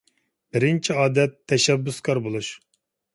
بىرىنچى ئادەت، تەشەببۇسكار بولۇش.